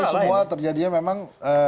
ini semua terjadinya memang